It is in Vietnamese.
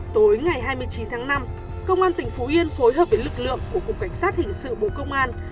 tối ngày hai mươi chín tháng năm công an tỉnh phú yên phối hợp với lực lượng của cục cảnh sát hình sự bộ công an